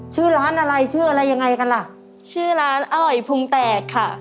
ชื่อร้านอะไรชื่ออะไรยังไงกันล่ะชื่อร้านอร่อยพุงแตกค่ะ